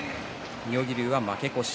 妙義龍は負け越し。